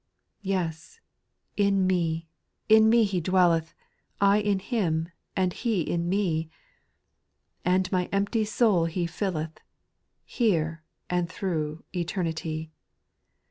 4. Yes I in me, in me He dwelleth ;— I in Him, and H/3 in me ! And my empty soul He filleth. Here and through eternity.